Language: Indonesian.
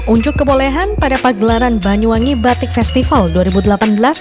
unjuk kebolehan pada pagelaran banyuwangi batik festival dua ribu delapan belas